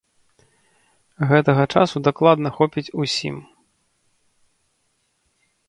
Гэтага часу дакладна хопіць усім.